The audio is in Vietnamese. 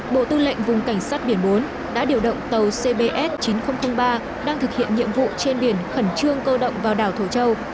bộ tư lệnh vùng cảnh sát biển bốn đã điều động tàu cbs chín nghìn ba đang thực hiện nhiệm vụ trên biển khẩn trương cơ động vào đảo thổ châu